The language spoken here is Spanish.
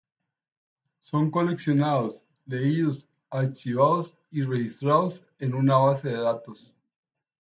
Son coleccionados, leídos, archivados y registrados en una base de datos.